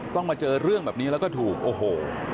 มาเจอเรื่องแบบนี้แล้วก็ถูกโอ้โห